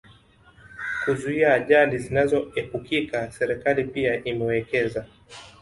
kuzuia ajali zinazoepukika Serikali pia imewekeza